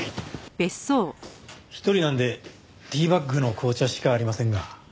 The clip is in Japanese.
一人なんでティーバッグの紅茶しかありませんが。